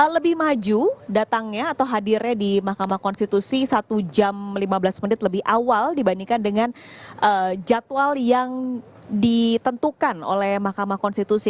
lebih maju datangnya atau hadirnya di mahkamah konstitusi satu jam lima belas menit lebih awal dibandingkan dengan jadwal yang ditentukan oleh mahkamah konstitusi